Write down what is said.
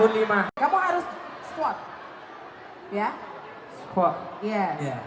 โอเคเราจะเริ่มจากที่แรก